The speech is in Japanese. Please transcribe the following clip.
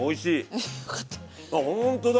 ほんとだ。